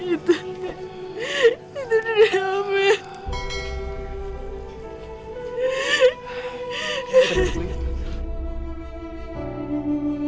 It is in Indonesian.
itu dia itu dia yang ambil